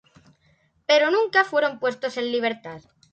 Pero nunca fueron puestos en libertad.